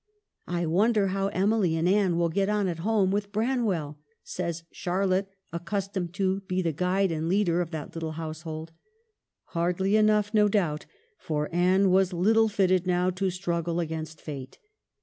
"I wonder how Emily and Anne will get on at home with Branwell," says Charlotte, accustomed to be the guide and leader of that little household. Hardly enough, no doubt ; for Anne was little fitted now to struggle against fate.